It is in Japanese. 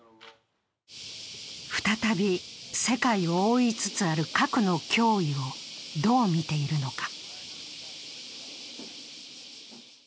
再び世界を覆いつつある核の脅威をどう見ているのか。